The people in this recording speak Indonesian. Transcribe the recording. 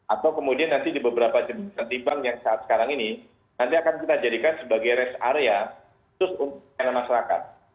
atau kemudian nanti di beberapa jenis ketimbang yang saat sekarang ini nanti akan kita jadikan sebagai rest area khusus untuk yang masyarakat